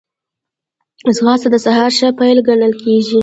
ځغاسته د سهار ښه پيل ګڼل کېږي